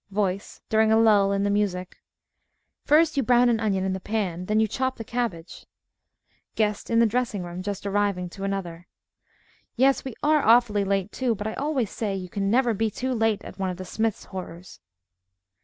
_) VOICE (during a lull in the music) First, you brown an onion in the pan, then you chop the cabbage GUEST (in the dressing room, just arriving, to another) Yes, we are awfully late, too, but I always say you never can be too late at one of the Smythes' horrors.